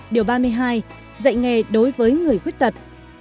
điều ba mươi hai dạy nghề đối với người khuyết tật